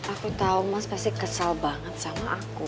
aku tahu mas pasti kesal banget sama aku